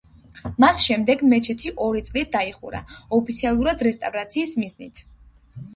მას შემდეგ მეჩეთი ორი წლით დაიხურა, ოფიციალურად რესტავრაციის მიზნით.